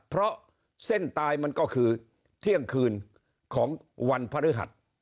เพราะเส้นตายมันก็คือเที่ยงคืนของวันพฤหัส